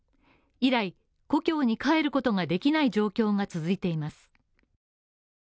以来、故郷に帰ることができない状況が続いています。